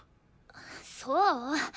そう？